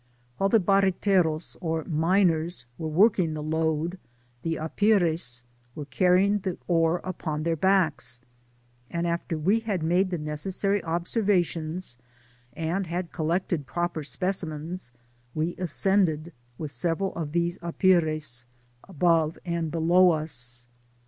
Whil© the barreteros, or miners, were working the lode, the apires were carrying the ore upon their backs; and after we had made the necessary observations, and had col lected proper specimens, we ascended, with several of these apires above and below us.